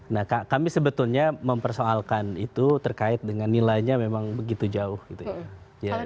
nah kami sebetulnya mempersoalkan itu terkait dengan nilainya memang begitu jauh gitu ya